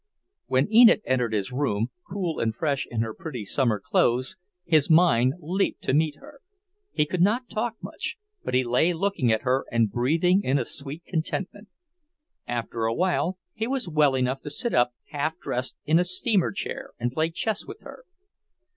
When Enid entered his room, cool and fresh in her pretty summer clothes, his mind leaped to meet her. He could not talk much, but he lay looking at her and breathing in a sweet contentment. After awhile he was well enough to sit up half dressed in a steamer chair and play chess with her.